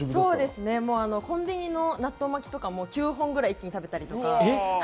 コンビニの納豆巻きとかも９本くらい一気に食べたりとか。